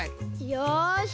よし！